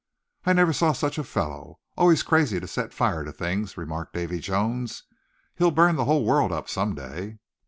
"I never saw such a fellow, always crazy to set fire to things," remarked Davy Jones. "He'll burn the whole world up some day."